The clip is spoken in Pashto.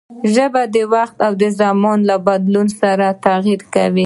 ژبه د وخت او زمانې له بدلون سره تغير کوي.